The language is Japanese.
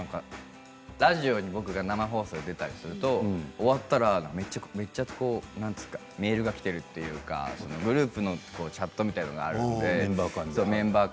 ラジオに僕が生放送で出たりすると終わったらめっちゃメールが来ているというかグループのチャットみたいのが聞いたよって。